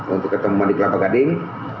untuk ketemuan di kelapa gading